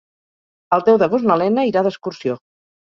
El deu d'agost na Lena irà d'excursió.